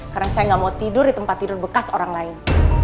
karena saya gak mau tidur di tempat tidur bekas orang lain